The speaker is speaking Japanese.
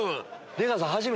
出川さん